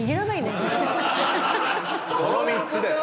その３つです。